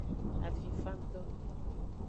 Avinfanto.